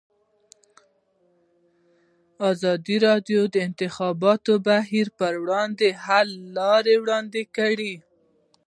ازادي راډیو د د انتخاباتو بهیر پر وړاندې د حل لارې وړاندې کړي.